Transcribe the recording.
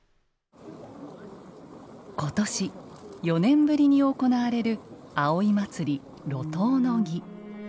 今年、４年ぶりに行われる葵祭・路頭の儀。